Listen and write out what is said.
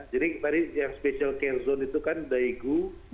tadi yang special care zone itu kan daegu